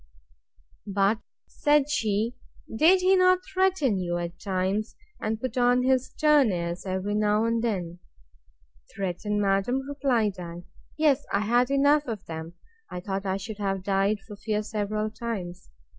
But, said she, did he not threaten you, at times, and put on his stern airs, every now and then?—Threaten, madam, replied I; yes, I had enough of that! I thought I should have died for fear several times.